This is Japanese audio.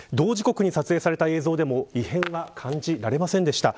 同時刻に撮影された映像でも異変は感じられませんでした。